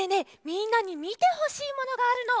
みんなにみてほしいものがあるの。